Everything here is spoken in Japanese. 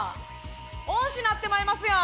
恩師なってまいますやん。